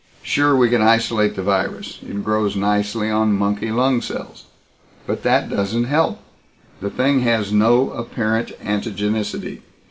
Sure, we can isolate the virus. It grows nicely on monkey lung cells. But that doesn't help. The thing has no apparent antigenicity.